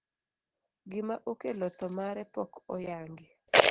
Gima okelo tho mare pok oyangi.